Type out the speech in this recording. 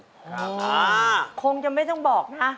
ครับค่ะอ๋อคงจะไม่ต้องบอกนะ